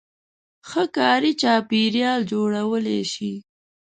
-ښه کاري چاپېریال جوړولای شئ